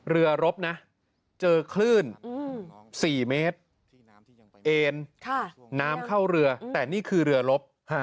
รบนะเจอคลื่น๔เมตรเอ็นน้ำเข้าเรือแต่นี่คือเรือลบ